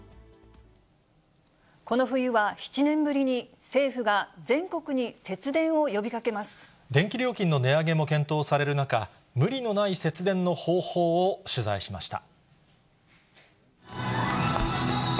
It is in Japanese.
この冬は７年ぶりに、電気料金の値上げも検討される中、無理のない節電の方法を取材しました。